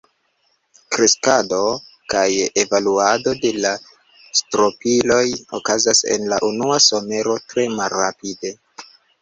Kreskado kaj evoluado de la strobiloj okazas en la unua somero tre malrapide.